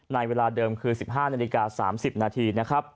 ในเวลาเดิมคือ๑๕นาฬิกา๓๐นาที